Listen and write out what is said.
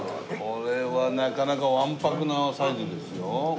これはなかなかわんぱくなサイズですよ。